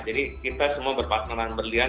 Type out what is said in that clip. jadi kita semua berpaksa dengan berlian